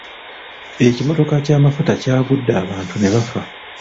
Ekimotoka ky'amafuta kyagudde abantu ne bafa.